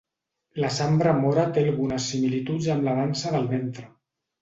La sambra mora té algunes similituds amb la dansa del ventre.